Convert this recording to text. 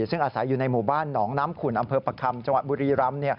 ซึ่งอาศัยอยู่ในหมู่บ้านหนองน้ำขุนอำเภอประคำจังหวัดบุรีรำ